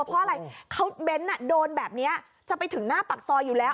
เพราะอะไรเขาเบ้นโดนแบบนี้จะไปถึงหน้าปากซอยอยู่แล้ว